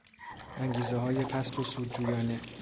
انگیزههای پست و سودجویانه